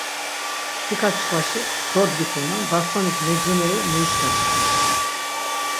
Mtsika çkvaşi dodgiturnan, bast̆onis mecineri muişvacepan.